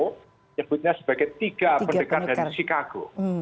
menyebutnya sebagai tiga pendekar dari chicago